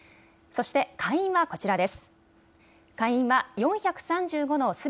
そして下院はこちらです。